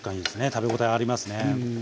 食べ応えありますね。